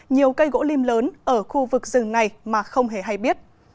nhiều cây gỗ lim lớn ở khu vực rừng này mà không hề hay biết